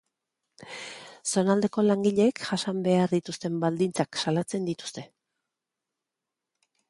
Zonaldeko langileek jasan behar dituzten baldintzak salatzen dituzte.